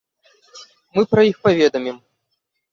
Мы пра іх паведамім.